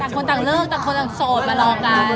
คนต่างเลิกต่างคนต่างโสดมารอกัน